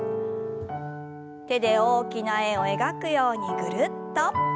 手で大きな円を描くようにぐるっと。